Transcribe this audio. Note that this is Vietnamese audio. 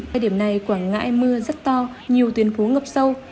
đến điểm này quảng ngãi mưa rất to nhiều tuyến phú ngập sâu